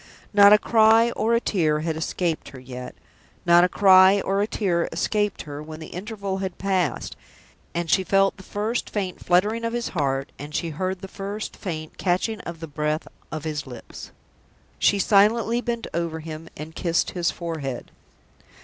Not a cry or a tear had escaped her yet. Not a cry or a tear escaped her when the interval had passed, and she felt the first faint fluttering of his heart, and heard the first faint catching of the breath of his lips. She silently bent over him and kissed his forehead.